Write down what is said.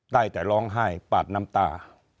ได้แต่ร้องไห้ปาดน้ำตา